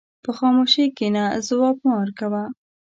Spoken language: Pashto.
په خاموشۍ کښېنه، ځواب مه ورکوه.